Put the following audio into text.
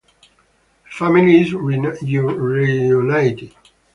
The family is reunited.